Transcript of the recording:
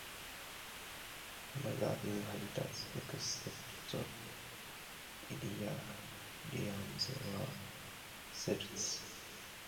Another inhabitants, except Illyrians, were Celts.